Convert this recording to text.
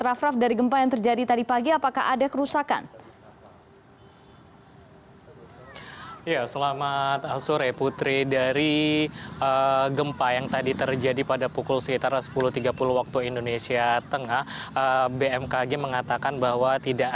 rafraf dari gempa yang terjadi tadi pagi apakah ada